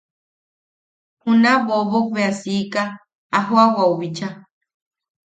Juna bobok bea siika a joʼawau bicha.